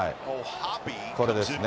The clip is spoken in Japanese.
これですね。